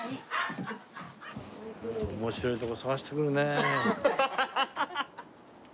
面白いとこ探してくるねえ。